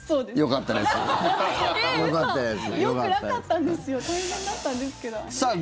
よくなかったんですよ大変だったんですけどあれ。